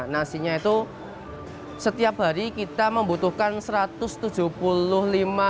nasinya itu setiap hari kita membutuhkan seratus juta